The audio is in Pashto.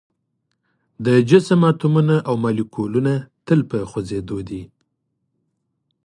د جسم اتومونه او مالیکولونه تل په خوځیدو دي.